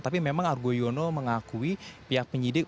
tapi memang argo yono mengakui pihak penyidik